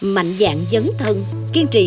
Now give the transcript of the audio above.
mạnh dạng dấn thân kiên trì